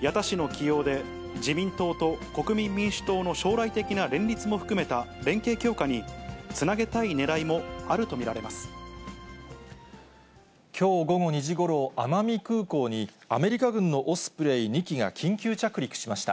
矢田氏の起用で、自民党と国民民主党の将来的な連立も含めた連携強化につなげたいきょう午後２時ごろ、奄美空港に、アメリカ軍のオスプレイ２機が緊急着陸しました。